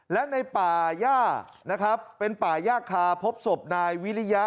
และในป่าย่านะครับเป็นป่าย่าคาพบศพนายวิริยะ